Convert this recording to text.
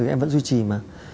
em vẫn duy trì mà